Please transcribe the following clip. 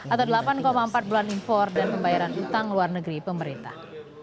atau delapan empat bulan impor dan pembayaran utang luar negeri pemerintah